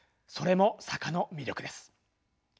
それも坂の魅力です。